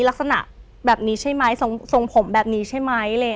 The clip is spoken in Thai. ลักษณะแบบนี้ใช่ไหมทรงผมแบบนี้ใช่ไหม